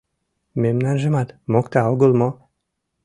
Мемнажымат мокта огыл мо?